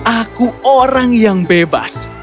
aku orang yang bebas